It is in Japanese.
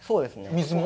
水も？